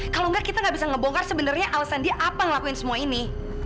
kalau enggak kita gak bisa ngebongkar sebenarnya alasan dia apa ngelakuin semua ini